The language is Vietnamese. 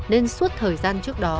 nên suốt thời gian trước đó